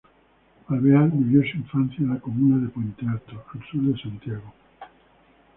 Alvear vivió su infancia en la comuna de Puente Alto, al sur de Santiago.